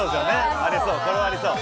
これはありそう。